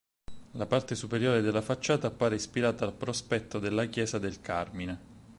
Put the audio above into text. La parte superiore della facciata appare ispirata al prospetto della chiesa del Carmine.